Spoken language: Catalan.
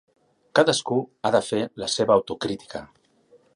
Cadascú ha de fer la seva autocrítica.